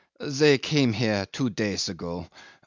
"They came here two days ago.